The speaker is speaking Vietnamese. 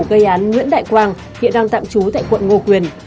gây án nguyễn đại quang khi đang tạm trú tại quận ngo quyền